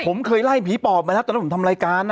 ผมเคยไล่ผีปอบมาแล้วตอนนั้นผมทำรายการ